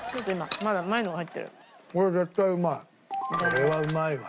これはうまいわ。